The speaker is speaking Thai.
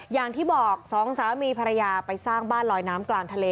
อย่างที่บอกสองสามีภรรยาไปสร้างบ้านลอยน้ำกลางทะเล